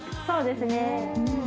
そうですね。